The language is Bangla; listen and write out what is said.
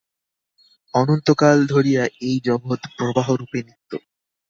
অনন্তকাল ধরিয়া এই জগৎ প্রবাহরূপে নিত্য।